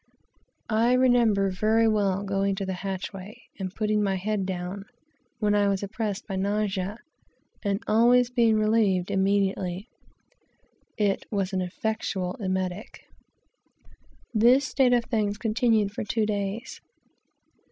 I remember very well going to the hatchway and putting my head down, when I was oppressed by nausea, and always being relieved immediately. It was as good as an emetic. This state of things continued for two days.